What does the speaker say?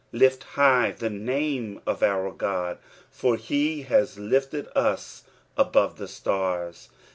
Lift high the name of our God, for be has lifted us above the stars.